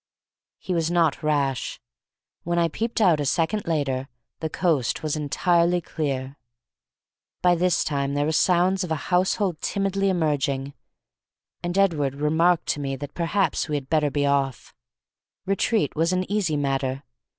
He was not rash. When I peeped out a second later, the coast was entirely clear. By this time there were sounds of a household timidly emerging; and Edward remarked to me that perhaps we had better be off. Retreat was an easy matter.